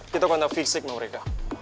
kita kontak fisik mereka